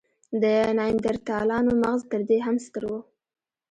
د نایندرتالانو مغز تر دې هم ستر و.